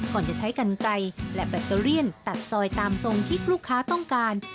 ก่อนจะใช้กันไกลและแบตเตอเลี่ยนตัดซอยตามทรงที่ลูกค้าต้องการ